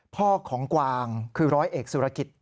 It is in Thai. พ่อของกวางคือร้อยเอกสุรกิจ